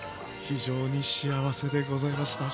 非常に幸せでございました。